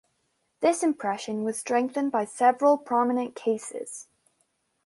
This impression was strengthened by several prominent cases.